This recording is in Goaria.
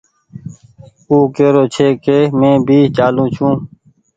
او ڪيرو ڇي ڪي مينٚ بي چآلون ڇو